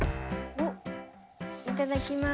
おっいただきます。